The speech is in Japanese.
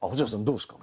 どうですか？